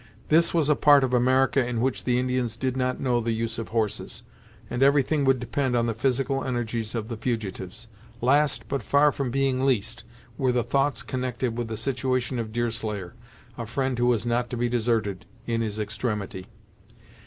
This was a part of America in which the Indians did not know the use of horses, and everything would depend on the physical energies of the fugitives. Last, but far from being least, were the thoughts connected with the situation of Deerslayer, a friend who was not to be deserted in his extremity.